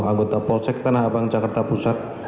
anggota polsek tanah abang jakarta pusat